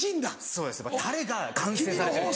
そうですタレが完成されてる。